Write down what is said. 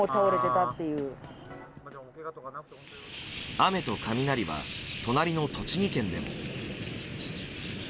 雨と雷は隣の栃木県でも。